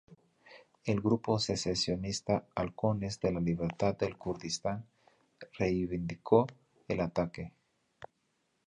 El grupo secesionista Halcones de la libertad del Kurdistán reivindicó el ataque.